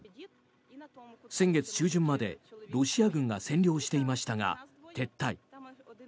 先月中旬までロシア軍が占領していましたが撤退。